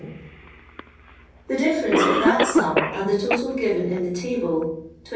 The difference of that sum, and the total given in the table (21,147